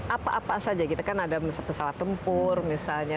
apa apa saja kita kan ada pesawat tempur misalnya